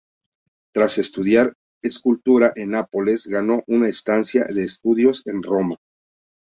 Tras estudiar escultura en Nápoles, ganó una estancia de estudios en Roma.